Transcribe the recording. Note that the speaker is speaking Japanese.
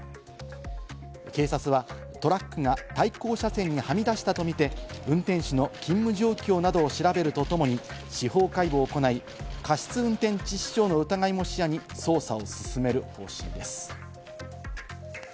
警察はトラックが対向車線にはみ出したとみて、運転手の勤務状況などを調べるとともに司法解剖を行い過失運転致死傷の疑いも視野に捜査を進める方針です。